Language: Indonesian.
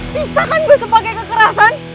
bisa kan gue sebagai kekerasan